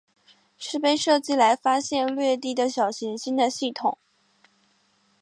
是被设计来发现掠地小行星的系统。